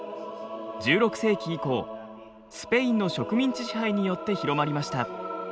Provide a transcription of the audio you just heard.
１６世紀以降スペインの植民地支配によって広まりました。